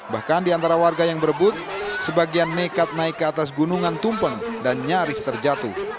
bahkan di antara warga yang berebut sebagian nekat naik ke atas gunungan tumpeng dan nyaris terjatuh